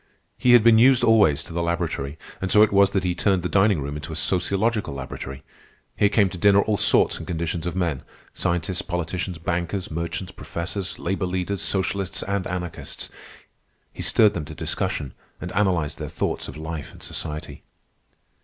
He had been used always to the laboratory, and so it was that he turned the dining room into a sociological laboratory. Here came to dinner all sorts and conditions of men,—scientists, politicians, bankers, merchants, professors, labor leaders, socialists, and anarchists. He stirred them to discussion, and analyzed their thoughts of life and society.